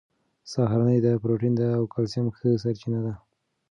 سهارنۍ د پروټین او کلسیم ښه سرچینه ده.